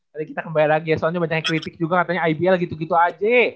tadi kita kembali lagi ya soalnya banyak yang kritik juga katanya ibl gitu gitu aja